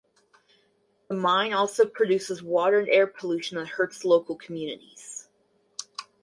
The mine also produces water and air pollution that hurts local communities.